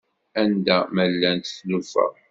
Anda ma llant tlufa.